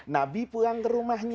nabi pulang ke rumahnya